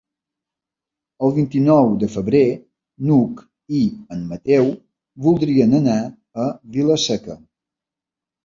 El vint-i-nou de febrer n'Hug i en Mateu voldrien anar a Vila-seca.